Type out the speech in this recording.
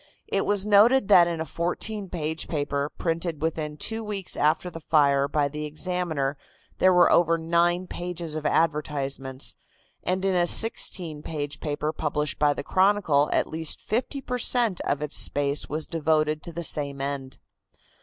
It was noted that in a fourteen page paper printed within two weeks after the fire by the Examiner there were over nine pages of advertisements, and in a sixteen page paper published by the Chronicle at least fifty per cent. of its space was devoted to the same end.